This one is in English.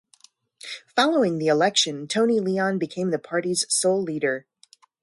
Following the election, Tony Leon became the party's sole leader.